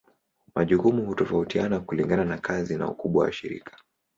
Majukumu hutofautiana kulingana na kazi na ukubwa wa shirika.